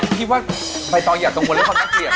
พี่ว่าไปต่ออย่าต้องกวนเรื่องของน่าเกลียดเลย